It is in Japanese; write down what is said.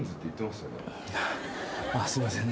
すいません。